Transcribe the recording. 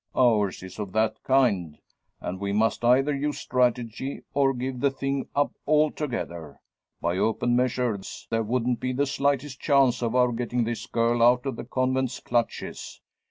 Ours is of that kind, and we must either use strategy, or give the thing up altogether. By open measures there wouldn't be the slightest chance of our getting this girl out of the convent's clutches.